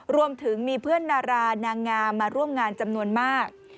รวมถึงมีเพื่อนดารานางงามมาร่วมงานจำนวนมาก